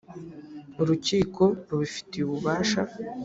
urukiko rubifitiye ububasha